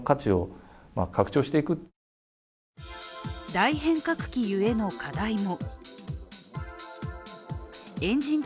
大変革期ゆえの課題も。